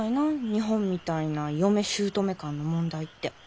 日本みたいな嫁姑間の問題って。